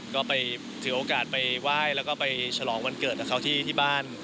ก็ไปถือโอกาสไปไหว้แล้วก็ไปฉลองวันเกิดกับเขาที่บ้าน